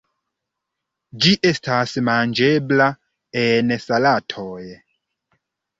Ĝi estas manĝebla en salatoj.